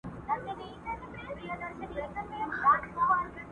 دا د پېړیو مزل مه ورانوی.!